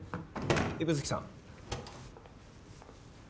指宿さん。